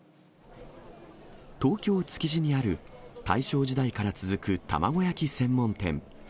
東京・築地にある、大正時代から続く卵焼き専門店。